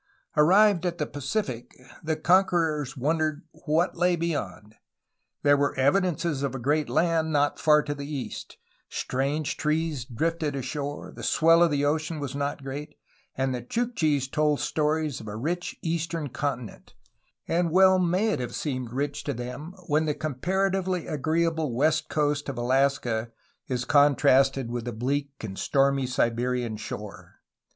Arrived at the Pacific the conquerors wondered what lay beyond. There were evidences of a great land not far to the east: strange trees drifted ashore; the swell of the ocean was not great; and the Chukchis told stories of a rich eastern continent, — and well may it have seemed rich to them, when the comparatively agreeable west coast of Alaska is con trasted with the bleak and stormy Siberian shore.